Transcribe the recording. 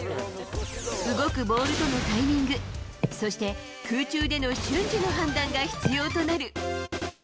動くボールとのタイミング、そして空中での瞬時の判断が必要となる。